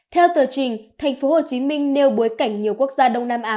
theo tờ trình tp hcm nêu bối cảnh nhiều quốc gia đông nam á